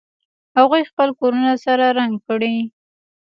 هغوی خپل کورونه سره رنګ کړي